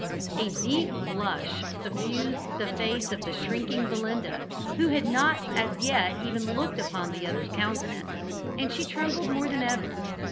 A deep blush suffused the face of the shrinking Belinda, who had not as yet even looked upon the other's countenance, and she trembled more than ever.